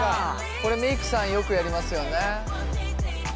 これメイクさんよくやりますよね。